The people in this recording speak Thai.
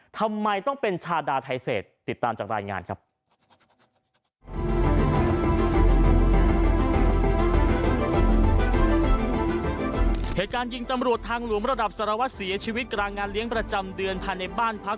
ทำไมต้องเป็นชาดาไทเศษติดตามจากรายงานครับ